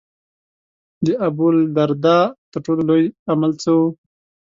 د ابوالدرداء تر ټولو لوی عمل څه و.